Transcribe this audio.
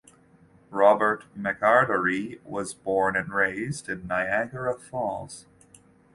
Robert McAdorey was born and raised in Niagara Falls.